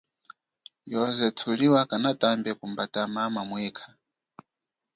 Yoze thuliwa kanatambe kumbata mama mwekha.